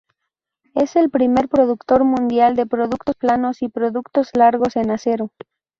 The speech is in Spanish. Es el primer productor mundial de productos planos y productos largos en acero.